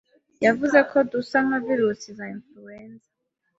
yavuze ko dusa nka virusi za influenza,